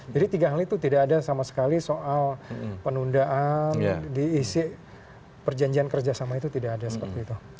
jadi tiga hal itu tidak ada sama sekali soal penundaan diisi perjanjian kerjasama itu tidak ada seperti itu